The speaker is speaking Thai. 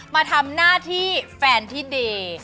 มาทำหน้าที่แฟนที่ดี